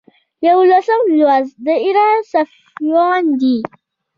یوولسم لوست د ایران صفویان دي.